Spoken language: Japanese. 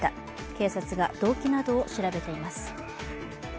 警察が動機などを調べています。